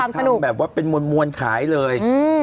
ไปทำแบบว่าเป็นมวลขายเลย